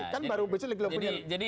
kan baru bclg lalu punya